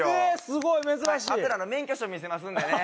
すごい珍しいあとで免許証見せますんでね